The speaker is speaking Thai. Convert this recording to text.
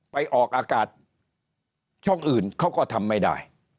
ออกอากาศช่องอื่นเขาก็ทำไม่ได้